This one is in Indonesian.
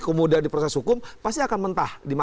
kemudian di proses hukum pasti akan mentah